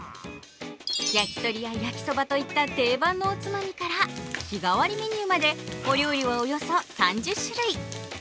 焼き鳥や焼きそばといった定番のおつまみから日替わりメニューまでお料理は、およそ３０種類。